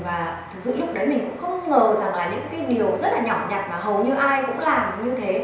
và thực sự lúc đấy mình cũng không ngờ rằng là những cái điều rất là nhỏ nhặt mà hầu như ai cũng làm như thế